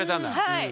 はい。